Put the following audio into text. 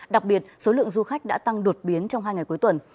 đặc biệt số lượng du khách đã tăng đột biến trong hai ngày cuối tuần